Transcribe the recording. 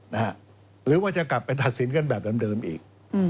หรือว่าจะกลับไปตัดสินกันแบบเดิมอีก